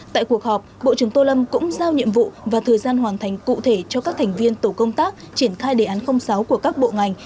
tại cuộc họp bộ trưởng tô lâm cũng giao nhiệm vụ và thời gian hoàn thành cụ thể cho các thành viên tổ công tác triển khai đề án sáu của các bộ ngành